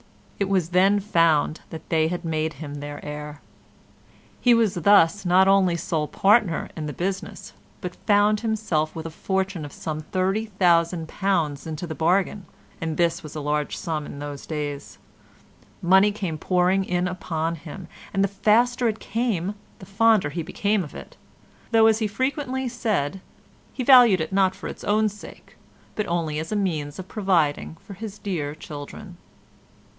It was then found that they had made him their heir. He was thus not only sole partner in the business but found himself with a fortune of some £30,000 into the bargain, and this was a large sum in those days. Money came pouring in upon him, and the faster it came the fonder he became of it, though, as he frequently said, he valued it not for its own sake, but only as a means of providing for his dear children.